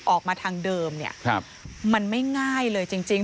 ออกมาทางเดิมเนี่ยมันไม่ง่ายเลยจริง